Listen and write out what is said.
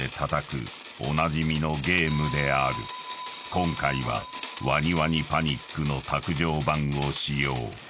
［今回はワニワニパニックの卓上版を使用］